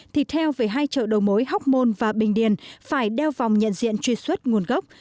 thịt heo về hai chợ đầu mối hóc môn và bình điền phải đeo vòng nhận diện truy xuất nguồn gốc